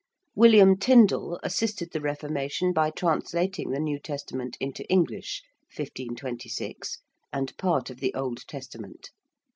~William Tyndal~ assisted the Reformation by translating the New Testament into English (1526), and part of the Old Testament.